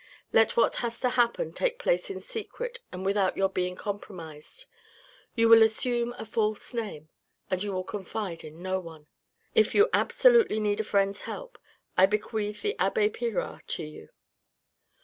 Let what has to happen take place in secret and without your being compromised. You will assume a false name, and you will confide in no one. If you absolutely need a friend's help, I bequeath the abbe Pirard to you.